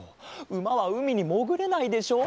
うまはうみにもぐれないでしょ？